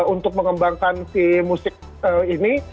untuk mengembangkan si musik ini